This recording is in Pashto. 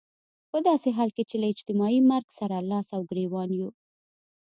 په داسې حال کې چې له اجتماعي مرګ سره لاس او ګرېوان يو.